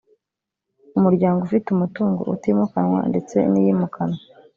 umuryango ufite umutungo utimukanwa ndetse n’iyimukanwa